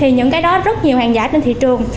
những cái đó rất nhiều hàng giả trên thị trường